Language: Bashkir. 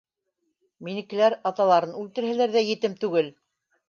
Минекеләр, аталарын үлтерһәләр ҙә, етем түгел!